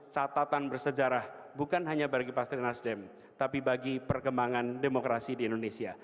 catatan bersejarah bukan hanya bagi partai nasdem tapi bagi perkembangan demokrasi di indonesia